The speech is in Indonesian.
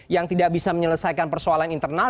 yang tidak bisa menyelesaikan persoalan internal